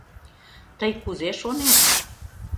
Тый кузе шонет?